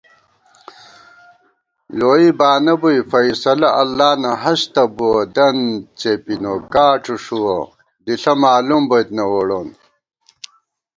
لوئی بانہ بُوئی فیصلہ اللہ نہ ہستہ بُوَہ * دنت څېپی نوکا ڄُݭُوَہ ، دِݪہ مالُوم بوئیت نہ ووڑون